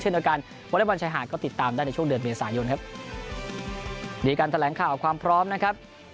เช่นเดียวกันวอเล็กบอลชายหาดก็ติดตามได้ในช่วงเดือนเมษายนครับมีการแถลงข่าวความพร้อมนะครับ